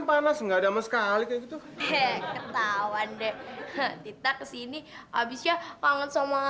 panas enggak ada sekali ketahuan deh kita kesini abisnya kangen sama